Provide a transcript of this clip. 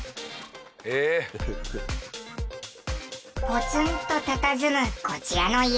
ポツンとたたずむこちらの家。